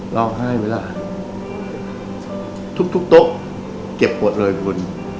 ร้องไห้ไหมล่ะทุกโต๊ะเก็บหมดเลยคุณ